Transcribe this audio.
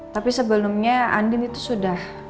tapi sebelumnya andin itu sudah